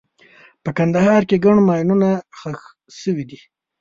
په کندهار کې ګڼ ماینونه ښخ شوي دي.